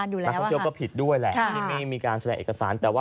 ในฐานะที่เราเป็นคนไทย